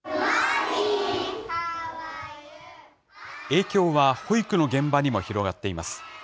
影響は保育の現場にも広がっています。